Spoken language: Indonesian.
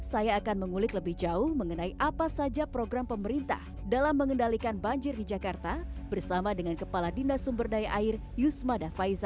saya akan mengulik lebih jauh mengenai apa saja program pemerintah dalam mengendalikan banjir di jakarta bersama dengan kepala dinas sumber daya air yusma davaiza